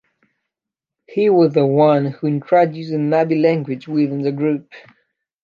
He was the one who introduced the Nabi language within the group.